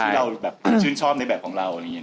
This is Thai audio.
ที่เราแบบชื่นชอบในแบบของเราอะไรอย่างนี้